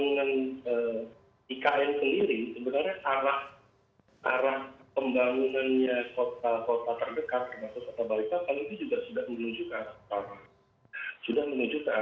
nah kalau kita lihat sebenarnya ini hubungannya nanti juga akan lebih terdampak pada di kota besar yang sudah menjadi inti perekonomian kalimantan timur yaitu tamarinda